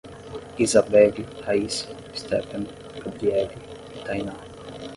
Isabeli, Rayssa, Stefany, Gabrielle e Thainá